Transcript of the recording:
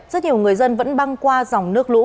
rất nhiều người dân vẫn băng qua dòng nước lũ